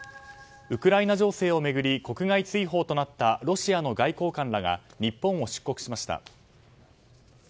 ウクライナ情勢を巡り国外追放となったロシアの外交官らが日本を出国しました。